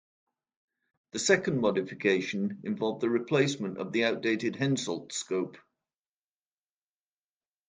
The second modification involved the replacement of the outdated Hensoldt scope.